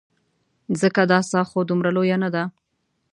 ځکه دا څاه خو دومره لویه نه ده.